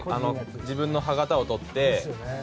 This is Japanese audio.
自分の歯型を取って。